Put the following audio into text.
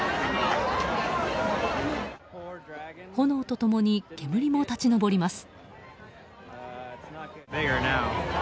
炎と共に煙も立ち上ります。